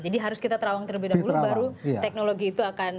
jadi harus kita terawang terlebih dahulu baru teknologi itu akan muncul